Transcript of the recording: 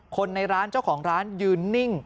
คนในร้านเจ้าของร้านยืนนิ่ง